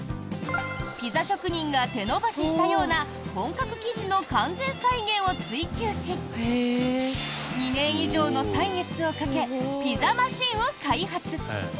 ピザ職人が手伸ばししたような本格生地の完全再現を追求し２年以上の歳月をかけピザマシンを開発！